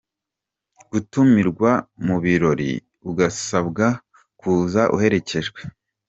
Gutumirwa mu birori ugasabwa kuza uherekejwe.